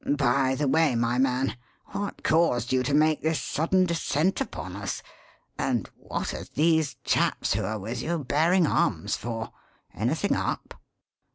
By the way, my man, what caused you to make this sudden descent upon us? And what are these chaps who are with you bearing arms for? Anything up?"